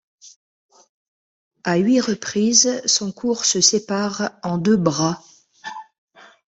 À huit reprises, son cours se sépare en deux bras.